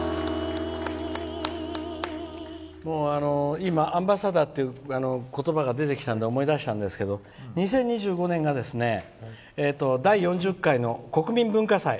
今、アンバサダーって言葉が出てきたので思い出したんですけど２０２５年が第４０回の国民文化祭。